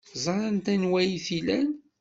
Ẓrant anwa ay t-ilan.